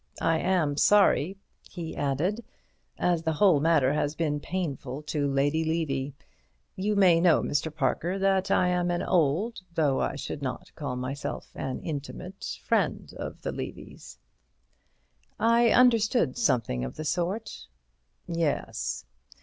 I am sorry," he added, "as the whole matter has been painful to Lady Levy. You may know, Mr. Parker, that I am an old, though I should not call myself an intimate, friend of the Levys." "I understood something of the sort." "Yes.